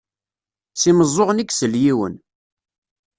S imeẓẓuɣen i isell yiwen.